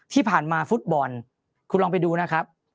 ที่ผ่านมาฟุตบอลคุณลองไปดูนะครับ